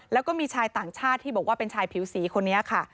แล้วก็มีชายต่างชาติที่บอกว่าเป็นชายผิวสีคนนี้ค่ะ